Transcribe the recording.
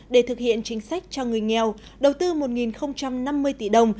để thực hiện chính sách cho người nghèo đầu tư một năm mươi tỷ đồng